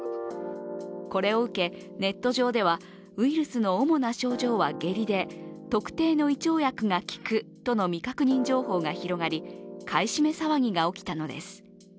これを受けネット上ではウイルスの主な症状は下痢で特定の胃腸薬が効くとの未確認情報が広がり、買い占め騒ぎが起きたのです。